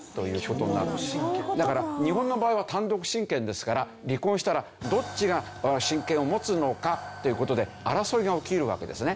だから日本の場合は単独親権ですから離婚したらどっちが親権を持つのかという事で争いが起きるわけですね。